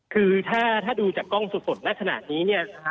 คือถ้าดูจากกล้องสดณขนาดนี้